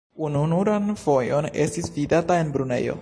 Ununuran fojon estis vidata en Brunejo.